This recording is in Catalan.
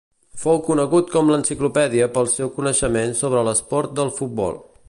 Fou conegut com l'enciclopèdia pel seu coneixement sobre l'esport del futbol.